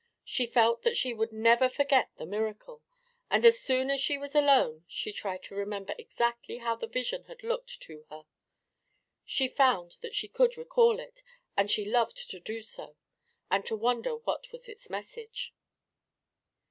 She felt that she would never forget the miracle, and as soon as she was alone she tried to remember exactly how the vision had looked to her. She found that she could recall it, and she loved to do so, and to wonder what was its message.